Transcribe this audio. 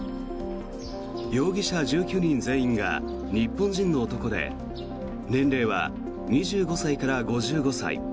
容疑者１９人全員が日本人の男で年齢は２５歳から５５歳。